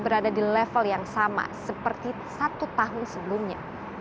berada di level yang sama seperti satu tahun sebelumnya